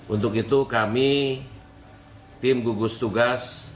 untuk itu kami tim gugus tugas